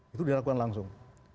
itu dilakukan langsung